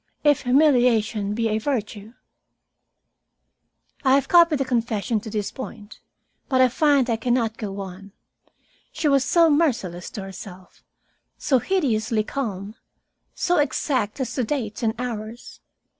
If humiliation be a virtue " I have copied the confession to this point, but I find I can not go on. She was so merciless to herself, so hideously calm, so exact as to dates and hours.